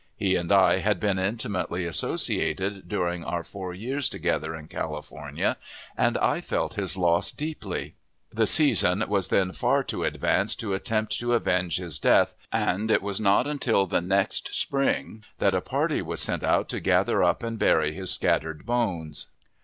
He and I had been intimately associated during our four years together in California, and I felt his loss deeply. The season was then too far advanced to attempt to avenge his death, and it was not until the next spring that a party was sent out to gather up and bury his scattered bones.